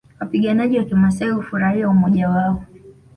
Wapiganaji wa kimaasai hufurahia umoja wao